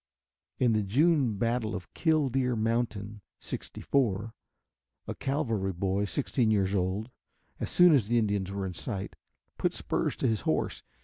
In the June battle of Killdeer Mountain '64, a cavalry boy sixteen years old, as soon as the Indians were in sight, put spurs to his horse.